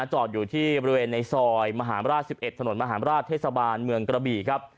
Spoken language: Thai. จอดอยู่ที่บริเวณในซอยมหาราช๑๑ถนนมหารราชเทศบาลเมืองกระบี่ครับ